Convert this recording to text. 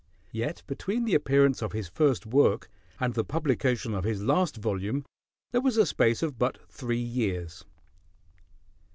Yet between the appearance of his first work and the publication of his last volume there was a space of but three years.